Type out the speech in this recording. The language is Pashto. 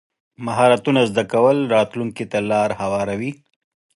مهارتونه زده کول راتلونکي ته لار هواروي.